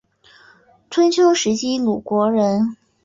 春秋时期鲁国人。